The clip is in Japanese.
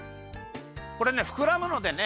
これねふくらむのでね